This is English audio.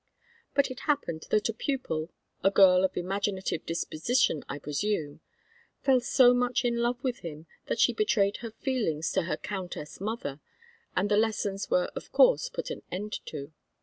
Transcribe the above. But it happened that a pupil a girl of imaginative disposition, I presume fell so much in love with him that she betrayed her feelings to her countess mother, and the lessons were of course put an end to.